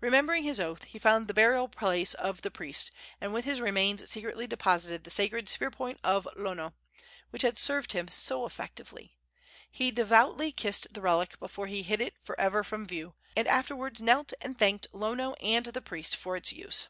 Remembering his oath, he found the burial place of the priest, and with his remains secretly deposited the sacred spear point of Lono, which had served him so effectively. He devoutly kissed the relic before he hid it for ever from view, and afterwards knelt and thanked Lono and the priest for its use.